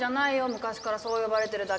昔からそう呼ばれてるだけで。